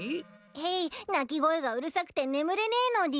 へい鳴き声がうるさくて眠れねえのでぃす。